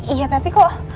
iya tapi kok